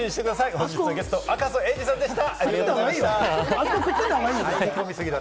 本日のゲスト、赤楚衛二さんでした。